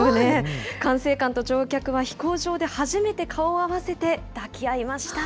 管制官と乗客は、飛行場で初めて顔を合わせて、抱き合いました。